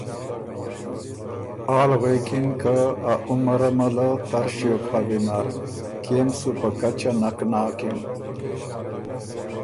آل غوېکِن که ا عُمَرَه مه له تر ݭیوک هۀ وینر، کيې م سُو په کچه نک ناکِن“